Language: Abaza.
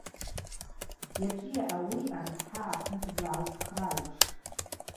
Йачӏвыйа ауи арыцхӏагӏа апны дызлагӏауцхърагӏуш.